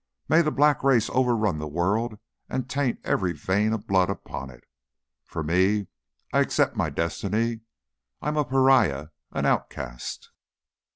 May the black race overrun the world and taint every vein of blood upon it. For me, I accept my destiny. I'm a pariah, an outcast.